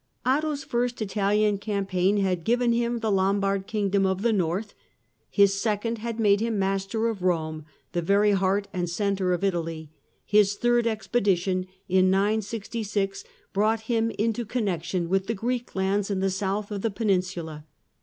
Otto's first Italian campaign had given him the Lombard otto I. s kingdom of the North ; his second had made him master itahan Ex of Rome, the very heart and centre of Italy ; his third Sg?*'^"' expedition, in 966, brought him into connexion with the Greek lands in the south of the peninsula.